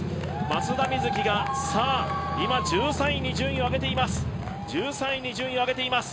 松田瑞生が今１３位に順位を上げています。